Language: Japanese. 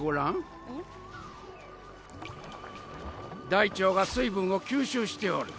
大腸が水分を吸収しておる。